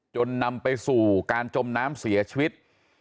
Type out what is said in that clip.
นำไปสู่การจมน้ำเสียชีวิต